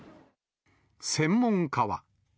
専門家は。